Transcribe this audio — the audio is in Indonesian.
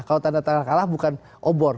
kalau tanda tangan kalah bukan obor